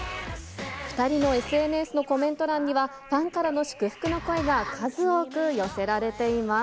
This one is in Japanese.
２人のＳＮＳのコメント欄には、ファンからの祝福の声が数多く寄せられています。